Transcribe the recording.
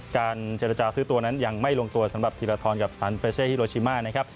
การเจรจาซื้อตัวนั้นยังไม่ลงตัวสำหรับฮิลาทอนกับซานเฟรเช่ฮิโรชิม่า